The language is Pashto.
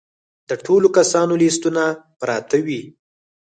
د ټولو کسانو لیستونه پراته وي.